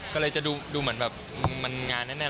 ก็เลยจะดูเหมือนแบบมันงานแน่น